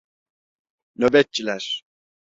Nöbetçiler!